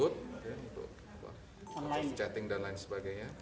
untuk chatting dan lain sebagainya